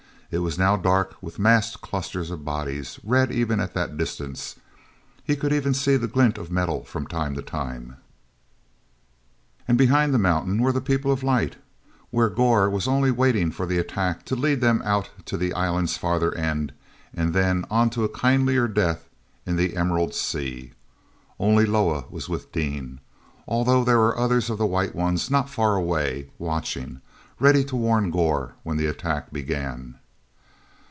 It was now dark with massed clusters of bodies, red even at that distance. He could even see the glint of metal from time to time. And behind the mountain were the People of Light, where Gor was only waiting for the attack to lead them out to the island's farther end and then on to a kindlier death in the emerald sea. Only Loah was with Dean, although there were others of the White Ones not far away, watching, ready to warn Gor when the attack began.